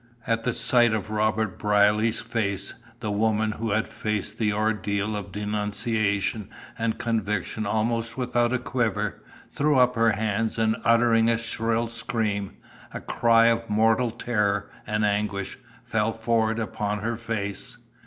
At sight of Robert Brierly's face the woman, who had faced the ordeal of denunciation and conviction almost without a quiver, threw up her hands, and uttering a shrill scream, a cry of mortal terror and anguish, fell forward upon her face.